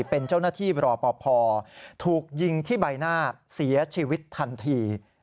เป็นเจ้าหน้าที่รอปภถูกยิงที่ใบหน้าเสียชีวิตทันที